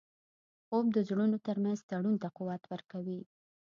خوب د زړونو ترمنځ تړون ته قوت ورکوي